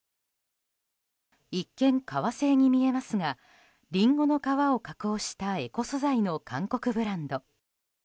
一見、革製に見えますがリンゴの皮を加工したエコ素材の韓国ブランド。